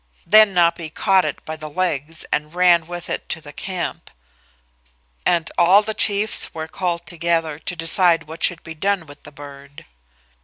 Then Napi caught it by the legs and ran with it to the camp, and all the chiefs were called together to decide what should be done with the bird.